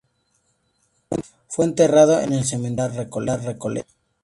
Fue enterrado en el Cementerio de la Recoleta.